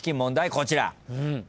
こちら。